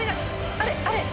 あれあれ。